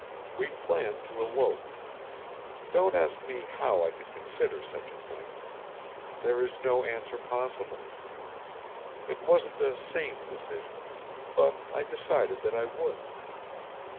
"We planned to elope. Don't ask me how I could consider such a thing. There is no answer possible. It wasn't a sane decision but I decided that I would.